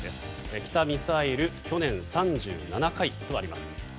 北ミサイル、去年３７回とあります。